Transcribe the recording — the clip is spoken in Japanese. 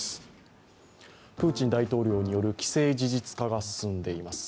プーチン大統領による既成事実化が進んでいます。